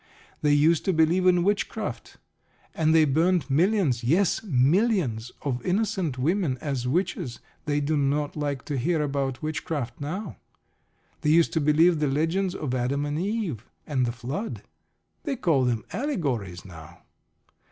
They used to believe in witchcraft, and they burned millions yes, millions of innocent women as witches. They do not like to hear about witchcraft now. They used to believe the legends of Adam and Eve, and the Flood. They call them allegories now.